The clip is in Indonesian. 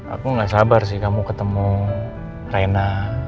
aku nggak sabar sih kamu ketemu reina